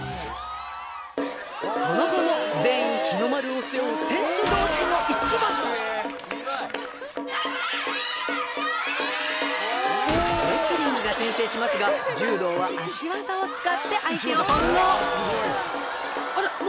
そもそも全員日の丸を背負う選手同士の一番レスリングが先制しますが柔道は足技を使って相手を翻弄あら？